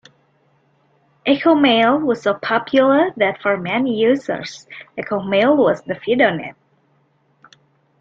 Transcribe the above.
Echomail was so popular that for many users, Echomail "was" the FidoNet.